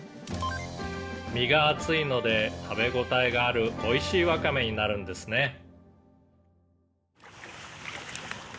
「身が厚いので食べ応えがあるおいしいワカメになるんですね」